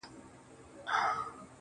o دده مخ د نمکينو اوبو ډنډ سي.